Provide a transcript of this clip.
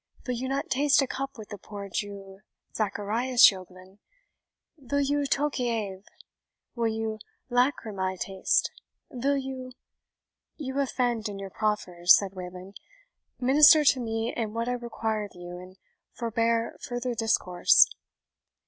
"Vill you not taste a cup vith the poor Jew, Zacharias Yoglan? Vill you Tokay ave? vill you Lachrymae taste? vill you " "You offend in your proffers," said Wayland; "minister to me in what I require of you, and forbear further discourse."